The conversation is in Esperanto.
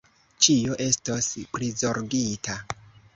Ĉio estos prizorgita.